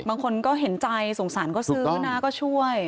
บางคนก็เห็นใจสงสารก็ซื้อนะก็ช่วย